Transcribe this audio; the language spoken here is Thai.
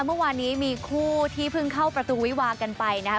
เมื่อวานนี้มีคู่ที่เพิ่งเข้าประตูวิวากันไปนะครับ